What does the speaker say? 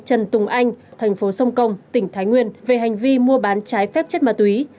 trần tùng anh thành phố sông công tỉnh thái nguyên về hành vi mua bán trái phép chất ma túy